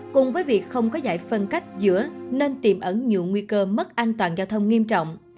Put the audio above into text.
cùng với việc không có giải phân cách giữa nên tiềm ẩn nhiều nguy cơ mất an toàn giao thông nghiêm trọng